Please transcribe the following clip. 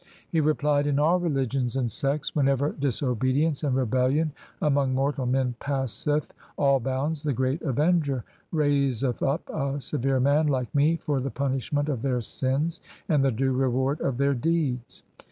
' He replied, ' In all religions and sects, whenever disobedience and rebellion among mortal men passeth all bounds, the Great Avenger raiseth up a severe man like me for the punishment of their sins and the due reward of their deeds.